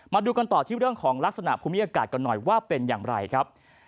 มาดูกันต่อที่เรื่องของลักษณะภูมิอากาศกันหน่อยว่าเป็นอย่างไรครับ